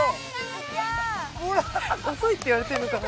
遅いって言われてるのかな。